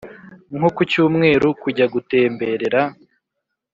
nko ku cyumweru, kujya gutemberera